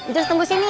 tutus tempuh sini ya